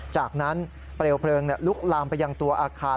จากนั้นเปลวเพลิงลุกลามไปยังตัวอาคาร